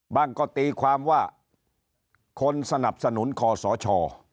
ก็ตีความว่าคนสนับสนุนคอสช